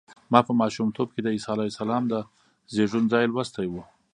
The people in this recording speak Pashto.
ما په ماشومتوب کې د عیسی علیه السلام د زېږون ځای لوستی و.